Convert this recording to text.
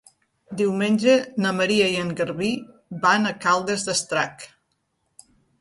Diumenge na Maria i en Garbí van a Caldes d'Estrac.